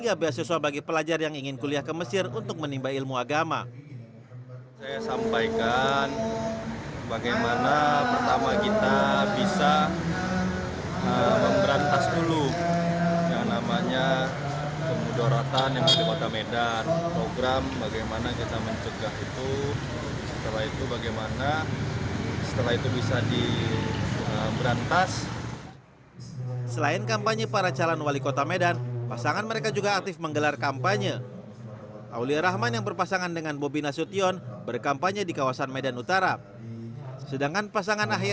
assalamualaikum warahmatullahi wabarakatuh